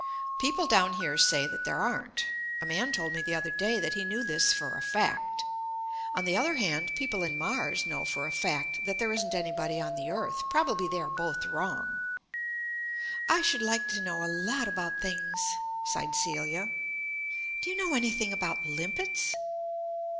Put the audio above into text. "People down here say that there aren't. A man told me the other day that he knew this for a fact. On the other hand, people in Mars know for a fact that there isn't anybody on the Earth. Probably they are both wrong." "I should like to know a lot about things," sighed Celia. "Do you know anything about limpets?"